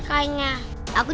thick head lisan di sisi dulu